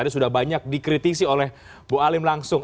tadi sudah banyak dikritisi oleh bu alim langsung